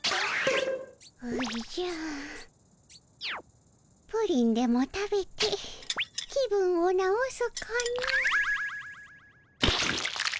おじゃプリンでも食べて気分を直すかの。